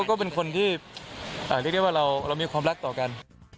ก็เป็นคนที่เรามีความรักต่อกัน